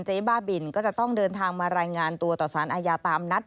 บ้าบินก็จะต้องเดินทางมารายงานตัวต่อสารอาญาตามนัด